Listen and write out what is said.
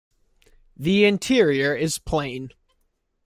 The interior is plain.